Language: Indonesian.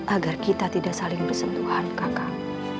agar kita tidak saling bersentuhan kakak